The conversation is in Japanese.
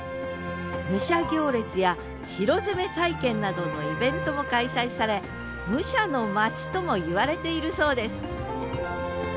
武者行列や城攻め体験などのイベントも開催され武者のまちともいわれているそうです